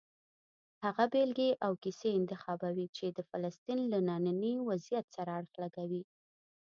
هغه بېلګې او کیسې انتخابوي چې د فلسطین له ننني وضعیت سره اړخ لګوي.